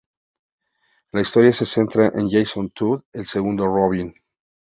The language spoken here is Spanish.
La historia se centra en Jason Todd, el segundo Robin.